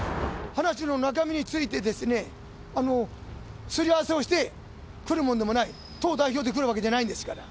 話の中身についてですね、すり合わせをして来るものでもない、党代表で来るわけじゃないんですから。